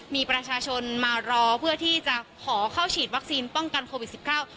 มีประชาชนมารอเพื่อที่จะขอเข้าฉีดวัคซีนป้องกันโควิดสิบเก้า